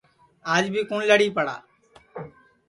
آج بھی کُوٹؔ لڑی پڑا